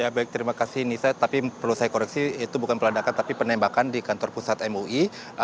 ya baik terima kasih nisa tapi perlu saya koreksi itu bukan peledakan tapi penembakan di kantor pusat mui